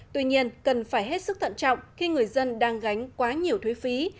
tuy nhiên cần phải hết sức thận trọng khi người dân đang gánh quá nhiều thuế phí